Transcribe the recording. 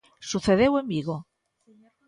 Sucedeu en Vigo.